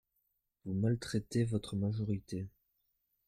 Vous maltraitez votre majorité